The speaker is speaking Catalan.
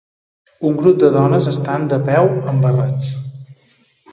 Un grup de dones estan de peu en barrets